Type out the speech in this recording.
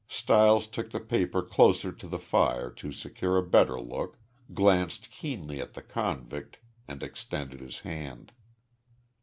Stiles took the paper closer to the fire to secure a better look, glanced keenly at the convict, and extended his hand.